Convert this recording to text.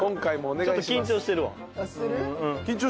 ちょっと緊張してるわ。